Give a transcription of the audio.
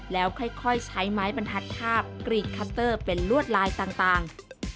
แล้วค่อยใช้ไม้บรรทัดคาบกรีดคัตเตอร์เป็นลวดลายต่าง